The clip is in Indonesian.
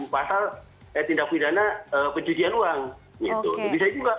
pasal tindak pidana pencucian uang